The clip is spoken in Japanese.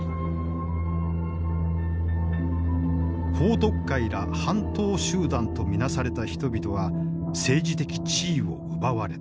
彭徳懐ら反党集団と見なされた人々は政治的地位を奪われた。